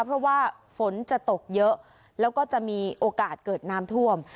เพราะว่าฝนจะตกเยอะแล้วก็จะมีโอกาสเกิดน้ำท่วม